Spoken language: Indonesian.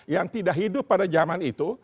yang tidak hidup pada zaman itu